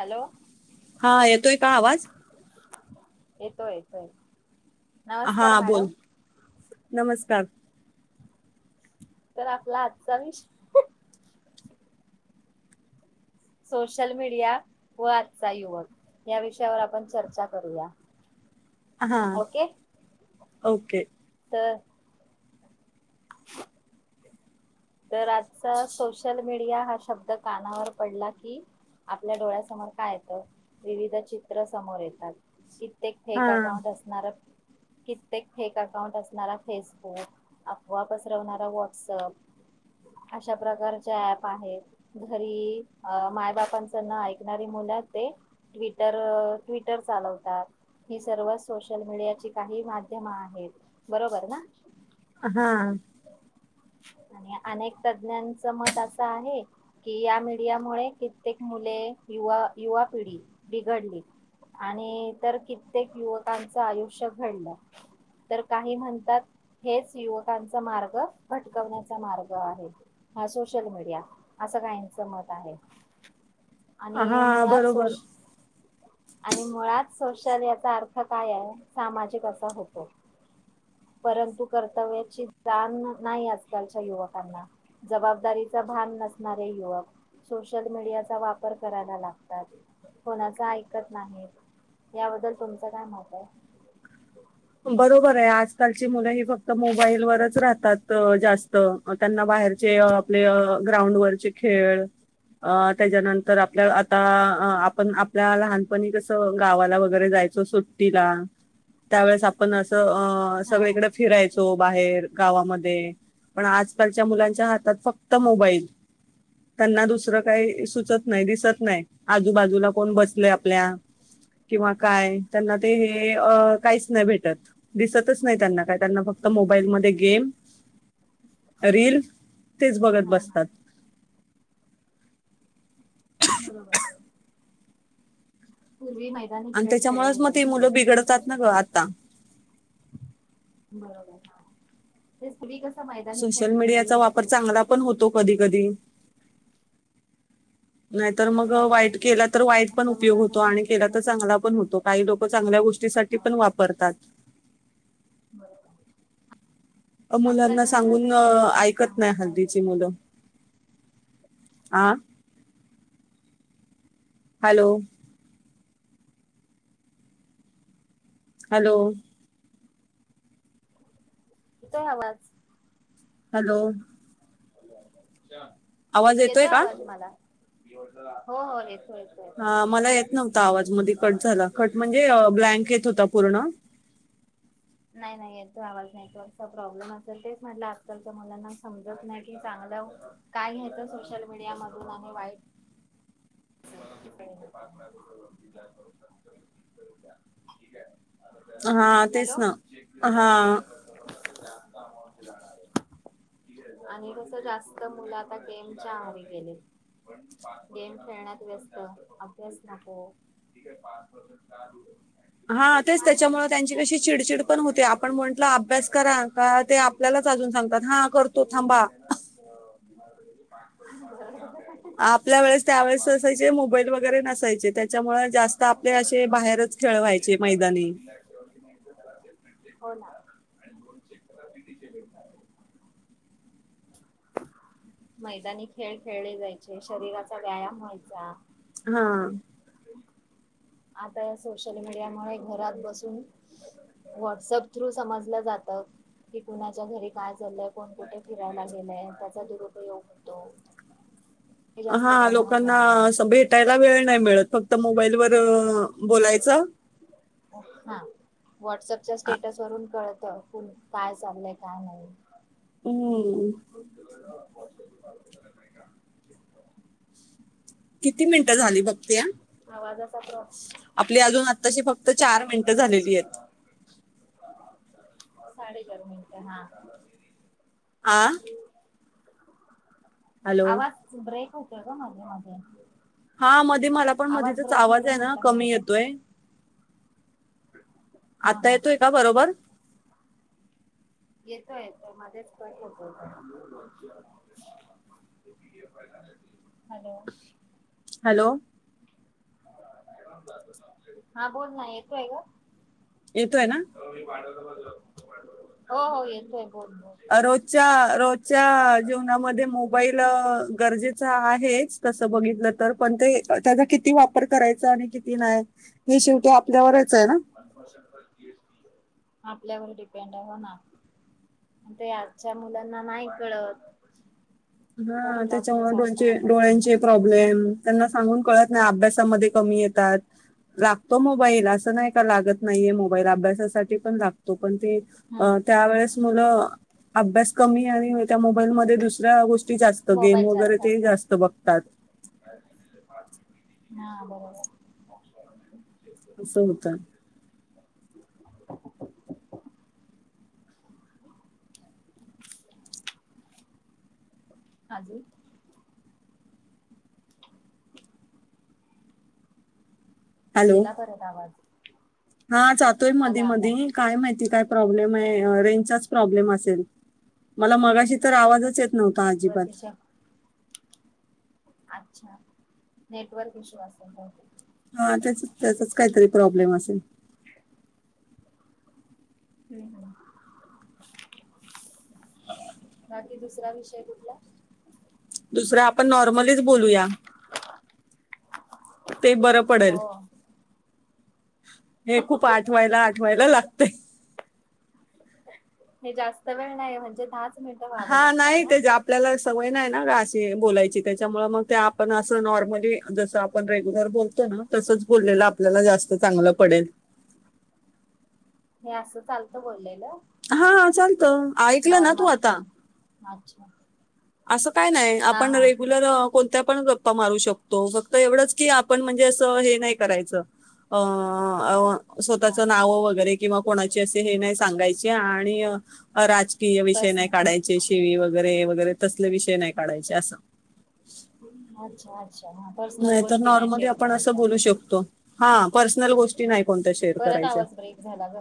Hello. हा येतोय का आवाज. येतोय येतोय. नमस्कार हा बोल. मॅडम नमस्कार. तर आपला आजचा विष सोशल मीडिया व आजचा युवक या विषयावर आपण चर्चा करूया. हा ओके. ओके त ह [inaudible] तर आजचा सोशल मीडिया हा शब्द कानावर पडला की आपल्या डोळ्यासमोर काय येतं. विविध चित्र समोर येतात. की एक हा फेक अकाउंट असणार. कित्येक फेक अकाउंट असणारा फेसबुक, अफवा पसरवणारा व्हॉट्सअप, [inaudible] अशा प्रकारच्या ऍप आहेत. घरी माय बापांच न ऐकणारी मुलं, ते ट्टर ट्विटर चालवतात. ही सर्व सोशल मीडियाची काही माध्यमं आहेत. बरोबर ना. [inaudible] हा. आणि अनेक तज्ज्ञांच मत असं आहे. की या मीडियामुळे कित्येक मो मुळे युवा युवा पिढी बिघडली. आणि तर कित्येक युवकांचं आयुष्य घडलं. तर काही म्हणतात, हेच युवकांचा मार्ग भटकवण्याचा मार्ग आहे हा सोशल मीडिया असं काहीच मत आहे. आणि हा मुळात बरोबर सोसी आणि मुळात सोशल याचा अर्थ काय आहे सामाजिक असा होतो परंतु कर्तव्याची जाण नाही आजकालच्या युवकांना जबाबदारीचा भा न नसणारे युवक सोशल मीडियाचा वापर करायला लागतात. कोणाच ऐकत नाही त याबद्दल तुमचं काय मत आहे? बरोबर आहे आजकालची मुलं हे फक आपले अ ग्राउंड वरचे खेळ अ त्याच्यानंतर आपल आता अ आपण आपल्या लहानपणी कस गावाला वगैरे जायचो सुट्टीला त्यावेळेस आप आपण असं अ हा हा सगळीकडे फिरायचो बाहेर गावामध्य पण आजकालच्या मुलांच्या हातात फक्त मोबाईल त्यांना दुसरं काही सुचत नाही, दिसत नाही, आजूबाजूला कोण बसल आपल्या किंवा काय त्यांना ते हे काहीच नाही भेट दिसतच नाही त्यांना काया त्यांना फक्त मोबाईल मदे गेम रीलील तेच बघत हा हा बसतात बरोबर पूर्वी मैदानी आणि खेळ त्याच्यामुळच खेळले म ती जायचे मुलं बिघडतात ना ग आता बरोबर तेच पूर्वी कसं मैदानी खेळ सोशल खेळले मीडियाचा वापर, जायचे. चांगला पण होतो कधी, कधी नाहीतर तसंच मग वाट- वाईट केला तर वाईट पण आजच्या उपयोग मुलांना होतो, आणि समजत केला तर नाही चांगला पण होतो. काही लोक चांगल्या गोष्टीसाठी पण वापरतात. बर मुलांना सांगून ऐकत चांगलं नाही काय हल्दीची घ्यायचं. मुलं आह! हॅलो! हॅलो! येतो आवाज? हॅलो! आवाज येतोय का आवाज मला हो हो येतोय. येतोय. हा मला येत नव्हता आवाज, मदी कट झाला, कट म्हणजे ब्लँक येत होता पूर्ण. [inaudible] नाही, नाही येतो आवाज नेटवर्कचा प्रॉब्लेम असेल, तेच म्हटलं आजकालच्या मुलांना समजत नाही की चांग काय घ्यायचं सोशल मीडिया मधून आणि वाईट [unintelligible] [unintelligible] हा तेच हॅलो ना हा [unintelligible] आणि कस जास्त मुलं आता गेमच्या आहारी गेले गेम [unintelligible] खेळण्यात व्यस्त अभ्यास नको. [unintelligible] हा तेच त्याच्यामुळे त्यांची कशी चिडचिड पण होते आपण म्हंटलं अभ्यास करा का ते आपल्या च अजून सांगतात हा करतो थांबा. [unintelligible] त्यावेळेस असायचे मोबाईल वगैरे नसायचे. त्याच्यामुळे जास्त अकाउंट आपले ला असे स सगळे बाहेरच खेळ व्हायचे चेकीला मैदानी सपरेट चे [unintelligible] [unintelligible] मैदानी खेळ खेळले जायचे, शरीराचा व्यायाम व्हायचा हा! आता या सोशल मीडियामुळे घरात बसून व्हॉट्सअप थ्रू समजल्या जातं. कि कुणाच्या घरी काय चाललंय, कोण कुठे फिरायला गेलंय, त्याचा दुरुपयोग होतो. [inaudible] हा प्रमाणात लोकांना वाढलंय भेटायला वेळ नाही मिळत फक्त मोबाईलवर हा बोलायचं हा. व्हॉट्सअपच्या आ- स्टेटस वरून कळत काय चाललंय काय नाही. हम् किती मिनटं झाली बघते हा आवाजाचा प्र आपली अजून आताशी फक्त चार मिनटं झालेली आहेत. साडे चार मिनट हा आह आवाज ब्रेक होतोय ग मध्ये मध्ये. हा मध्ये मला पण मध्येच ब्रेक आवाज होतोय आहे ना म्हटलं कमी माझा येतोय. हा आता हा. येतोय का बरोबर? येतो येतो मध्येच कट येतो हॅलो हॅलो हा बोल ना येतोय ग येतोय ना हो हो येतोय. बोल बोल. रोजच्या, रोजच्या जीवनामध्ये मोबाईल गरजेचा आहेच. तसं बघितलं तर पण ते, त्याचा किती वापर करायचा आणि किती नाही हे शेवटी आपल्यावरच आहे ना आपल्यावर डिपेंड आहे, हो ना. ते आजच्या मुलांना नाही कळत. हा फोन लागतो त्याच्यामुळे सारखा डोळाचे हातात त्यांच्या डोळ्यांचे प्रॉब्लेम त्यांना सांगून कळत नाही अभ्यासामध्ये, कमी येतात, जा तो मोबाईल असं, नाही का लागत नाहीये मोबाईल अभ्यासासाठी पण लागतो. पण ते ह त्यावेळेस, मुलं अभ्यास कमी आणि त्या मोबाईल मध्ये दुसऱ्या गोष्टी, [unintelligible] गेम मोबाईल वगैरे जास्त ते जास्त बघतात. हा बरोबर, अस होतं. अजून, हॅलो गेला परत आवाज, हा.. जातोय मधी आला आला मधी काय माहिती काय प्रॉब्लेम आहे रेंजचाच, प्रॉब्लेम असेल, मला मगाशी तर आवाजच येत नव्हता अजिबात. नेटवर्क इशू अच्छा, नेटवर्क इशू असेल. हा त्याच त्याचाच काहीतरी [inaudible] हम हम, बाकी दुस सरा विषय कुठला, दुसरा आपण नॉर्मलीच बोलूया, ते बर‌ पडेल. हो. हे खूप आठवायला, आठवायला लागतंय. जास्त वेळ नाही म्हणजे दहाच, मिनिटं व्हावे हा लागतात नाही ना तेच, आपल्याला अस सवय नाहीना गं अशी बोलायची. त्याच्यामुळे मग आपण अस नॉर्मली जस आपण रेग्युलर बोलतो, तसंच बोललेलं, आपल्याला जास्त चांगलं पडेल. [inaudible] असं चालतं बोलेल. हा चालत, ऐकलं ना तू नॉर्मल आता अच्छा, असं काय नाही. हा आपण हा रेग्युलर कोण त्या पण गप्पा मारू शकतो. फक्त एवढंच की आपण म्हणजे असं हे नाही करायचं, अ.. अ.. हा स्वतःच नाव, वगैरे किंवा कोणाची असे हे नाही सांगायची आणि राज हे विषय नाही पर्सनल काढायचे शिवी वगैरे वगैरे तसले विषय नाही काढायचे असं. अच्छा अच्छा. पर्सनल नाही तर गोष्टी नॉर्मली शेअर आपण अस करायच्या बोलू शकतो. हा पर्स नल गोष्टी नाही कोणत्या शेअर परत करायच्या. आवाज ब्रेक झाला ग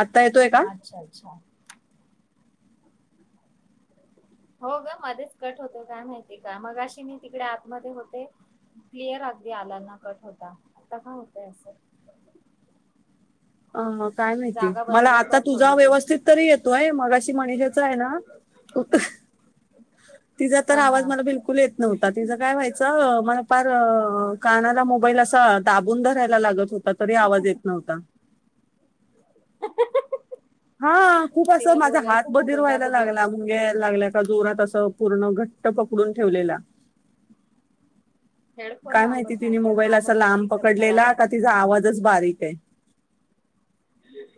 आता येतोय का अच्छा अच्छा. हो ग मध्येच कट होतो काय माहितीय का? मगाशी मी तिकडे आतमध्ये होते. क्लिअर अगदी आलाना कट होता आता का होतय असं अ काय माहिती जागा मला बदलून बघ आता थोडी तुझा तू व्यवस्थित तरी येतोय. मगाशी मनीषा चा आहे ना ह ह. [inaudible] तिचा तर आवाज हा मला बिलकुल येत नव्हता. तिचं काय व्हायचं मला फार कानाला मोबाईल अस ह दाबून धरायला लागत होता, तरी आवाज येत नव्हता. हा खूप असं तिला माझा हात बोलायचं ना बधीर व्हायला जोरात बोल लागला, मुंग्या यायला लागल्या, का जोरात असं पूर्ण घट पकडून ठेवलेला. हेडफोन काय माहिती वापर नाही तिने तर मोबाईल माझा असा पण लांब स्पीकर खराब पकडलेला, आहे का तिचा आवाजच बारीक आहे.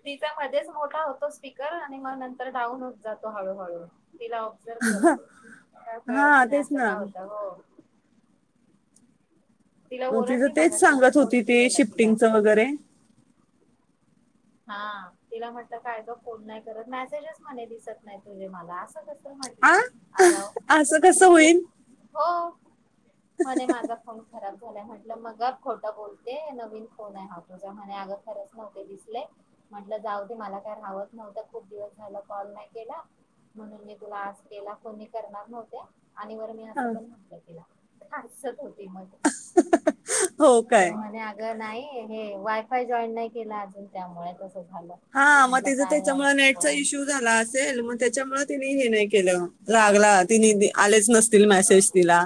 तिचा मध्येच मोठा होतो स्पीकर आणि मग नंतर डाऊन होत जातो हळूहळू. तिला ऑब्झर्व करतो. का कळत हा नाही, तेच असं ना काय होत हो. तिला मग तिचं ओरडली तेच मगाशी मी सांगत फोन होती ते केलेला तिला. शिफ्टिंगच वगैरे. हा तिला म्हटलं काय का फोन नाही करत, मेसेजेस म्हणजे दिसत नाही तुझे मला अस कस आ असं कस होईल? मध्ये माझा फोन खराब झाल य म्हटलं मग खोटं बोलते नवीन फोन आहे हा तुझा म्हणे, आग खरच नव्हते दिसले. म्हंटलं जाऊ ते मला काय रावत नव्हतं, खूप दिवस झालं कॉल नाही केला. म्हणून मी तुला आज केला कोणी करणार नव्हत्या. आणि वर मी असं हा. पण म्हटलं तिला हो [unintelligible] तर काय मणे अगं नाही वायफाय जॉईन नाही केलं अजून त्यामुळे तस हा मग तिचं त्याच्यामुळे नेटचा पण इश्यू झाला असेल, मग त्याच्यामुळे तिने हे नाही केल हा लागला ति आलेच नसतील मेसेज तिला.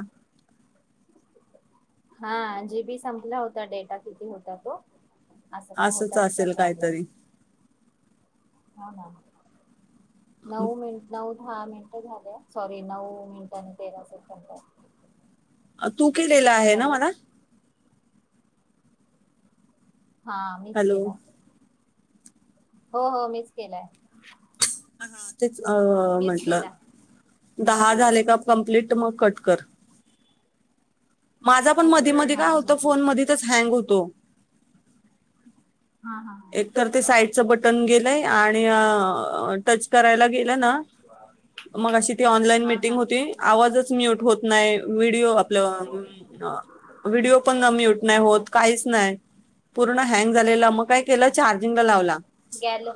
हा जीबी संपला होता डेटा किती होता तो. असं काय असंच होता तिचा असेल प्रॉब्लेम काहीतरी. हो ना नऊ मिनट, नऊ दहा मिनट झाल्या. सॉरी नऊ मिनिट आणि तेरा सेकंड. तू केलेलं आहे ना मला? हा मीच हॅलो केला. हो हो मीच केलाय. ते मीच म्हंटलं केला दहा झाले का कंप्लीट ट मग कट कर. माझा पण मधी मधी काय अच्छा होतो, ठीक फोन आहे मधितच हँग होतो. हा हा हा एक तर ते साईडच बटन गेलंय आणि टच करायला गेल ना मग अशी ती ऑनलाइन हा हा मीटिंग होती आवाजच म्यूट होत नाही, व्हिडिओ आपलं व्हिडिओ पण म्यूट नाही होत, अच्छा अच्छा काहीच नाही. पूर्ण हँग झालेलं मग काय केलं चार्जिंगला लावला. गॅल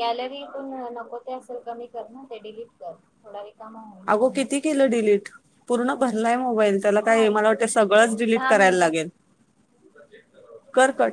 गॅलरीतून नको ते असेल कमी कर ना. ते डिलीट कर थोड अगो किती केलं डिलीट पूर्ण भरलाय मोबाईल त्याला काय झालं मला वाटतंय सगळच डिलिट दहा करायला मिनटं लागेल. कर पण.